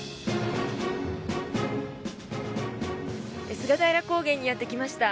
菅平高原にやってきました。